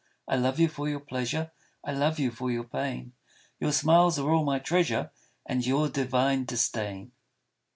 I love you for your pleasure, I love you for your pain, Your smiles are all my treasure, And your divine disdain.